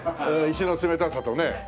石の冷たさとね。